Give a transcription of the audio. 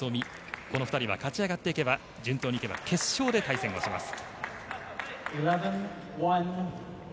この２人は勝ち上がっていけば順当に行けば決勝で対戦をします。